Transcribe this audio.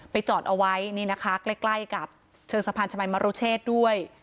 จอดเอาไว้นี่นะคะใกล้กับเชิงสะพานชมัยมรุเชษด้วย